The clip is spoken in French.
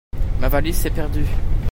Ma valise s'est perdue.